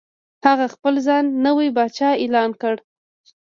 هغه خپل ځان نوی پاچا اعلان کړ.